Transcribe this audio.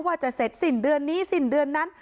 ว่าจะเสร็จสิ้นเดือนนี้สิ้นเดือนนั้น